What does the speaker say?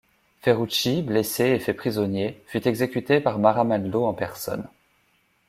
Ferrucci, blessé et fait prisonnier, fut exécuté par Maramaldo en personne.